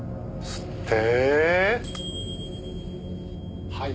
吸って。